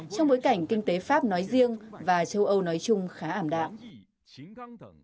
trong bối cảnh kinh tế pháp nói riêng và châu âu nói chung khá ảm đạm